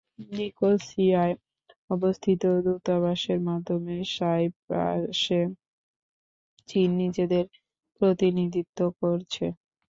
নিকোসিয়ায় অবস্থিত দূতাবাসের মাধ্যমে সাইপ্রাসে চীন নিজেদের প্রতিনিধিত্ব করছে।